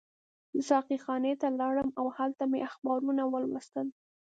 زه ساقي خانې ته لاړم او هلته مې اخبارونه ولوستل.